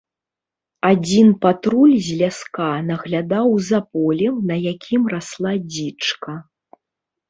Адзін патруль з ляска наглядаў за полем, на якім расла дзічка.